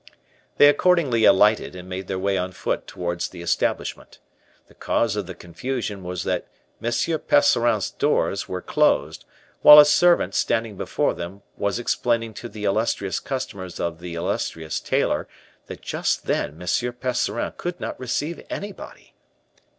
They accordingly alighted and made their way on foot towards the establishment. The cause of the confusion was that M. Percerin's doors were closed, while a servant, standing before them, was explaining to the illustrious customers of the illustrious tailor that just then M. Percerin could not receive anybody.